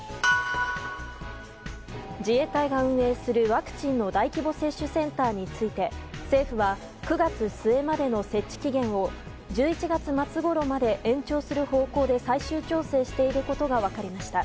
自衛隊が運営するワクチンの大規模接種センターについて政府は９月末までの設置期限を１１月末ごろまで延長する方向で最終調整していることが分かりました。